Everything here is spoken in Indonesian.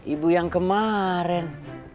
ibu yang kemarin